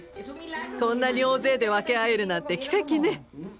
こんなに大勢で分け合えるなんて奇跡ね。